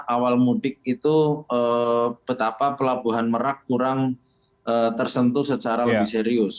awal mudik itu betapa pelabuhan merak kurang tersentuh secara lebih serius